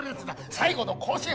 最後の甲子園！